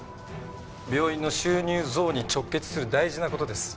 病院の収入増に直結する大事な事です。